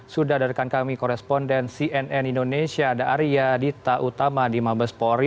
sudah dari kan kami koresponden cnn indonesia ada area di tak utama di mabespori